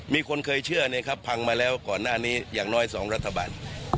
มีคนเคยเชื่อนะครับพังมาแล้วก่อนหน้านี้อย่างน้อย๒รัฐบาล